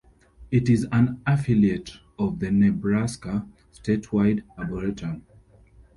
It is an affiliate of the Nebraska Statewide Arboretum.